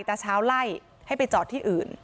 ตาเช้าไล่ให้ไปจอดที่อื่น